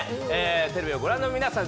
テレビをご覧の皆さん